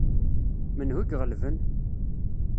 Menhu i iɣelben?